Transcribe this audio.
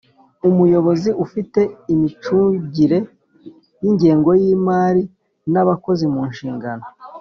Umuyobozi ufite imicugire y’ingengo y’imari n’abakozi munshingano